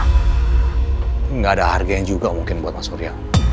gak ada harga yang juga mungkin buat mas surya